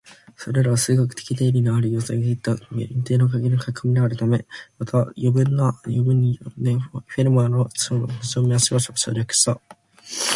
それらは数学的な定理あるいは予想であったが、限られた余白への書き込みであるため、また充分な余白がある場合にも、フェルマーはその証明をしばしば省略した